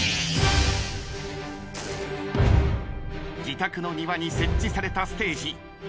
自宅の庭に設置されたステージ。